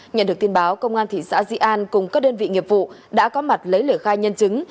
nhận được tin báo công an thị xã di an cùng các đơn vị nghiệp vụ đã có mặt lấy lửa khai nhân chứng